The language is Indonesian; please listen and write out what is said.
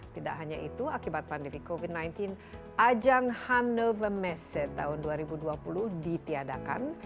tidak hanya itu akibat pandemi covid sembilan belas ajang hanover messe tahun dua ribu dua puluh ditiadakan